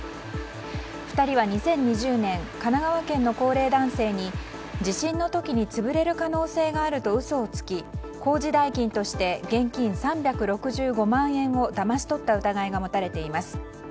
２人は２０２０年神奈川県の高齢男性に地震の時に潰れる可能性があると嘘をつき工事代金として現金３６５万円をだまし取った疑いが持たれています。